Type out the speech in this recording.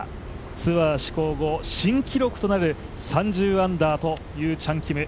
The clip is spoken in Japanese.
ツアー施行後新記録となる３０アンダーというチャン・キム。